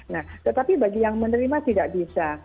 nah tetapi bagi yang menerima tidak bisa